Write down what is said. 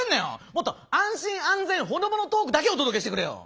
もっと安心安全ほのぼのトークだけをお届けしてくれよ。